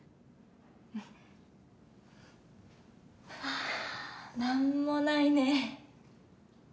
あ何もないね。